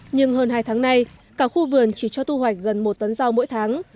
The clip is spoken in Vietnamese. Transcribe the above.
nhưng hơn hai tháng nay cả khu vườn chỉ cho thu hoạch gần một tấn rau mỗi tháng